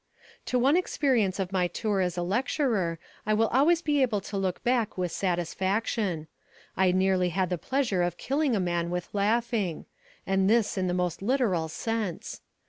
To one experience of my tour as a lecturer I shall always be able to look back with satisfaction. I nearly had the pleasure of killing a man with laughing: and this in the most literal sense.